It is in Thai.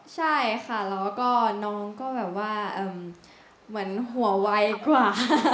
ใช่ค่ะแล้วก็น้องก็แบบว่าเหมือนหัวไวกว่า